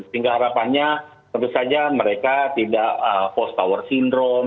sehingga harapannya tentu saja mereka tidak post power syndrome